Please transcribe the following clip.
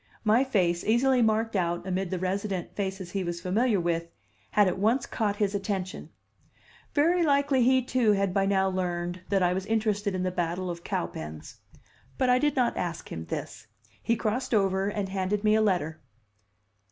My face, easily marked out amid the resident faces he was familiar with, had at once caught his attention; very likely he, too, had by now learned that I was interested in the battle of Cowpens; but I did not ask him this. He crossed over and handed me a letter.